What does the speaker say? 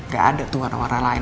gak ada tuh warna warna lain